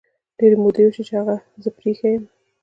ډیري مودې وشوی چې هغه زه پری ایښي یمه